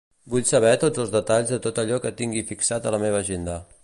Vull saber els detalls de tot allò que tingui fixat a la meva agenda.